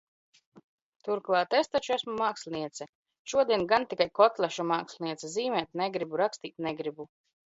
Turklāt es taču esmu māksliniece! Šodien gan tikai kotlešu māksliniece. Zīmēt negribu, rakstīt negribu.